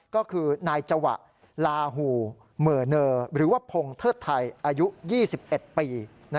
ก็คือนายจวะลาหูเหม่อเนอร์หรือว่าพงเทิดไทยอายุ๒๑ปี